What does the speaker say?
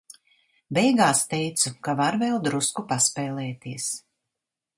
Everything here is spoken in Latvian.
Beigās teicu, ka var vēl drusku paspēlēties.